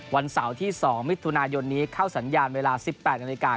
วันเสาร์ที่๒มิถุนายนนี้เข้าสัญญาณเวลา๑๘นาฬิกา